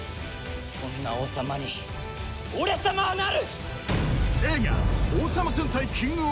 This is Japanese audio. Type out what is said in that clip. そんな王様に俺様はなる！